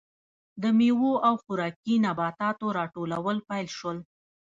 د میوو او خوراکي نباتاتو راټولول پیل شول.